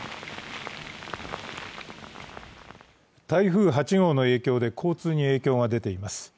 台風８号の影響が交通に影響が出ています。